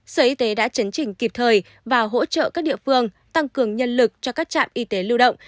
sở y tế đã chấn chỉnh kịp thời và hỗ trợ các địa phương tăng cường nhân lực cho các trạm y tế lưu động